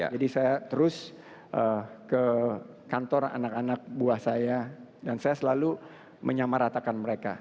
jadi saya terus ke kantor anak anak buah saya dan saya selalu menyamaratakan mereka